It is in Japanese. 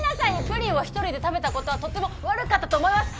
プリンを１人で食べたことはとっても悪かったと思います！